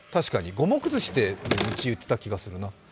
五目ずしって、うち言ってた気がするな。